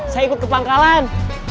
saya ikut ke pangkalan